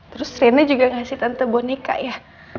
terus rina juga ngasih tante boneka ya